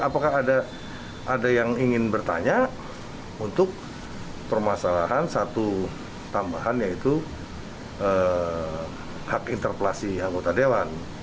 apakah ada yang ingin bertanya untuk permasalahan satu tambahan yaitu hak interpelasi anggota dewan